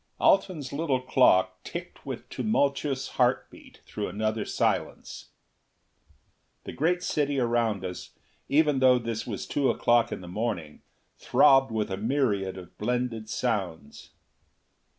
Alten's little clock ticked with tumultuous heartbeat through another silence. The great city around us, even though this was two o'clock in the morning, throbbed with a myriad of blended sounds.